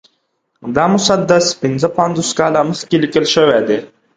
دا مسدس پنځه پنځوس کاله مخکې لیکل شوی دی.